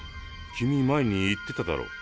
君前に言ってただろう。